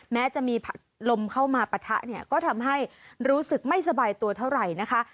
แม้จะมีลมเข้ามาปะทะเนี่ยก็ทำให้รู้สึกไม่สบายตัวเท่าไหร่นะคะ